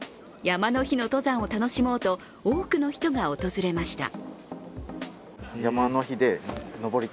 山の日の登山を楽しもうと、多くの人が訪れました。